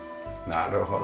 なるほど。